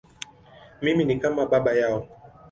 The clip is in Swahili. Mimi ni kama baba yao.